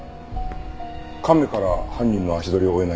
亀から犯人の足取りを追えないか？